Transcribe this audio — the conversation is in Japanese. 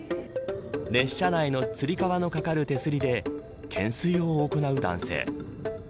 列車内のつり革の掛かる手すりで懸垂を行う男性。